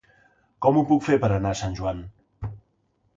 Com ho puc fer per anar a Sant Joan?